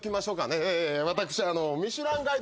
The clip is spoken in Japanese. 私『ミシュランガイド』の。